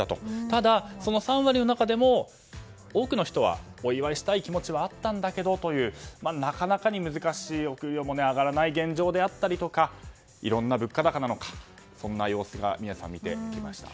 ただ、その３割の中でも多くの人はお祝いしたい気持ちはあったんだけどというなかなかに難しいお給料も上がらない現状だったりいろいろな物価高の中そんな様子が見えました。